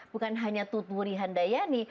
bukan hanya tuturi handayani